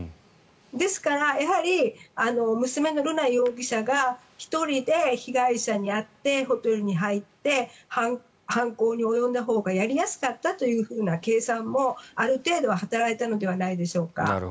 ですから、やはり娘の瑠奈容疑者が１人で被害者に会ってホテルに入って犯行に及んだほうがやりやすかったという計算もある程度は働いたのではないでしょうか。